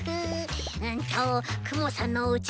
うんとくもさんのおうち